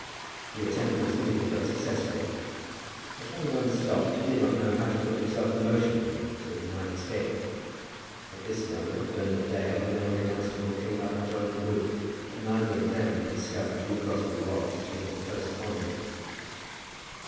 The attempt was anything but successful; but having once stopped, he did not know how to put himself in motion again, so that he might escape. At this moment Bernard Dale and Emily Dunstable came up and joined the group; but neither of them had discovered who Crosbie was till they were close upon him.